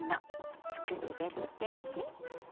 つくってみてね。